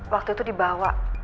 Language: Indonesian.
waktu itu dibawa